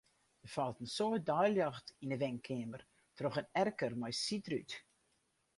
Der falt in soad deiljocht yn 'e wenkeamer troch in erker mei sydrút.